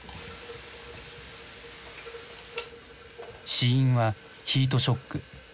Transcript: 死因はヒートショック。